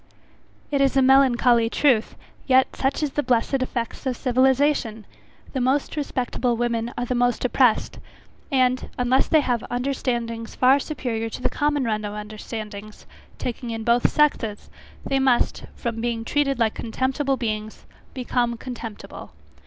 It is a melancholy truth; yet such is the blessed effects of civilization! the most respectable women are the most oppressed; and, unless they have understandings far superiour to the common run of understandings, taking in both sexes, they must, from being treated like contemptible beings, become contemptible.